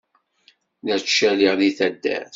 La ttcaliɣ deg taddart.